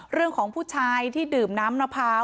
เรื่องของผู้ชายที่ดื่มน้ำนะพร้าว